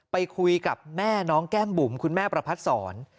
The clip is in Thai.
ไปคุยกับแม่น้องแก้มบุ๋มคุณแม่ประพัดศร